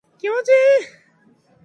北海道音威子府村